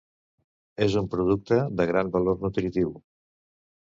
És un producte de gran valor nutritiu.